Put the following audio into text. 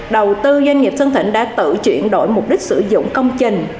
đầu tư doanh nghiệp sơn thịnh đã tự chuyển đổi mục đích sử dụng công trình